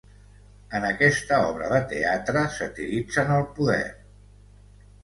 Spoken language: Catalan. En aquesta obra de teatre satiritzen el poder.